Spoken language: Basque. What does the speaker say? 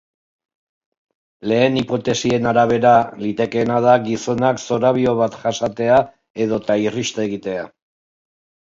Lehen hipotesien arabera, litekeena da gizonak zorabio bat jasatea edota irrist egitea.